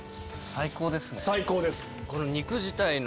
最高ですね。